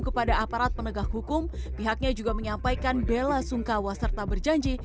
kepada aparat penegak hukum pihaknya juga menyampaikan bela sungkawa serta berjanji